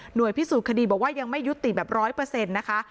โดยพิสูจน์คดีบอกว่ายังไม่ยุติแบบร้อยเปอร์เซ็นต์นะคะ